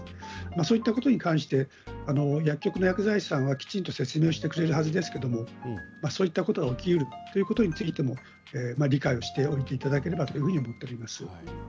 そういうことに関して薬局の薬剤師さんはきちんと説明してくれるはずですがそういったことが起きるということについても理解をしておいていただければと思っております。